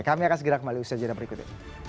kami akan segera kembali ke usia jadwal berikutnya